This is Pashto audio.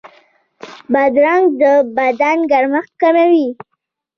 بادرنګ د بدن ګرمښت کموي.